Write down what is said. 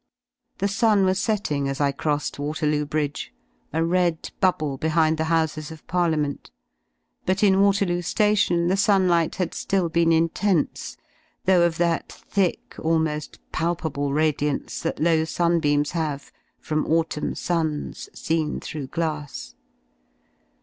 The sun was setting as I crossed Waterloo bridge, a red bubble behind the Houses of Parliament, but in Waterloo Nation the sunlight had ^ill been intense, thoughof that thick, almo^ palpable radiance that low sunbeams have from autumn suns seen through glass.